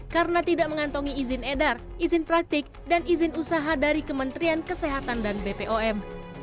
karena tidak mengantongi izin edar izin praktik dan izin usaha dari kementerian kesehatan dan bpom